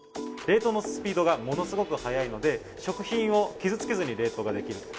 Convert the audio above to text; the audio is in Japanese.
冷凍のスピードがものすごく速いので、食品を傷つけずに冷凍ができる。